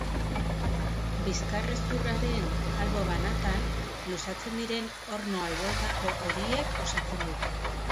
Bizkarrezurraren albo banatan luzatzen diren orno alboetako hodiek osatzen dute.